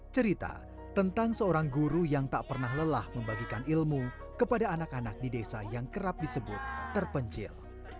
cerita tentang seorang guru yang tak pernah lelah membagikan ilmu kepada anak anak di desa yang kerap disebut terpencil